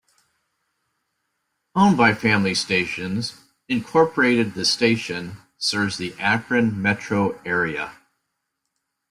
Owned by Family Stations, Incorporated the station serves the Akron metro area.